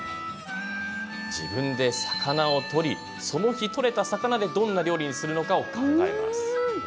自分で魚を取りその日、取れた魚でどんな料理にするのかを考えます。